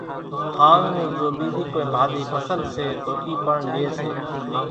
ۿانز نِي زو ٻيزي ڪونئين ڀازي ڀسل سي تو اِي پڻ لئي سي